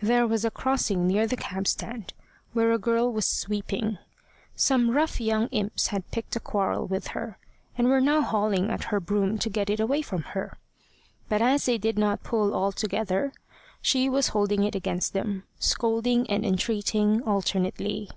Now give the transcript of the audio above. There was a crossing near the cab stand, where a girl was sweeping. Some rough young imps had picked a quarrel with her, and were now hauling at her broom to get it away from her. But as they did not pull all together, she was holding it against them, scolding and entreating alternately.